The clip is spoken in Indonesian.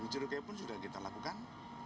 curi kai pun sudah kita lakukan